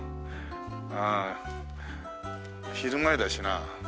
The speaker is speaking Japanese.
うん昼前だしな。